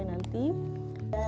kita sudah membelikan barang